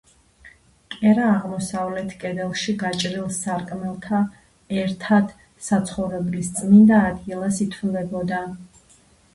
კერა აღმოსავლეთ კედელში გაჭრილ სარკმელთა ერთად საცხოვრებლის წმინდა ადგილად ითვლებოდა.